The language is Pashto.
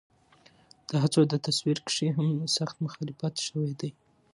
د هڅو د تصويرکشۍ هم سخت مخالفت شوے دے